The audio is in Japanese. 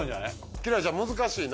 輝星ちゃん難しいな。